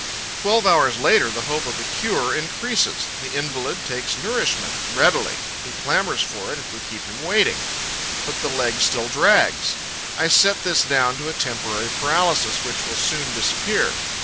Twelve hours later, the hope of a cure increases; the invalid takes nourishment readily; he clamours for it, if we keep him waiting. But the leg still drags. I set this down to a temporary paralysis which will soon disappear.